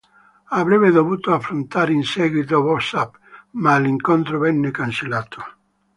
Avrebbe dovuto affrontare in seguito Bob Sapp, ma l'incontro venne cancellato.